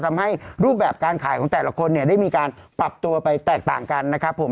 ทำให้รูปแบบการขายของแต่ละคนเนี่ยได้มีการปรับตัวไปแตกต่างกันนะครับผม